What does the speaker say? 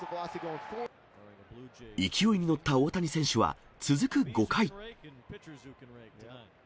勢いに乗った大谷選手は続く５回。